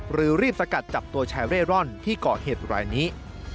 หรือรีบสกัดจับตัวชายเร่ร่อนที่เกาะเหตุรายนี้